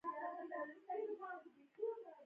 هغه له زدهکړو او اغېزناکو ملګرو پرته بريالی شو.